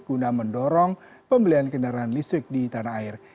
guna mendorong pembelian kendaraan listrik di tanah air